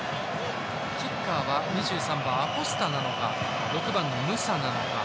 キッカーは２３番アコスタなのか６番のムサなのか。